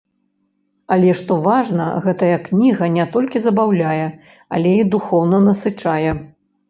Але, што важна, гэтая кніга не толькі забаўляе, але і духоўна насычае.